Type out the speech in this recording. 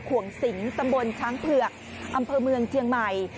ขวงสิงตำบลช้างเผือกอำเภอเมืองเจียงใหม่